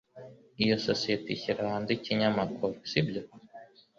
Iyo sosiyete ishyira hanze ikinyamakuru, sibyo?